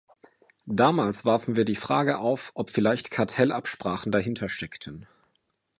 Damals warfen wir die Frage auf, ob vielleicht Kartellabsprachen dahintersteckten.